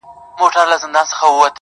د ګیلاس لوري د شراب او د مینا لوري,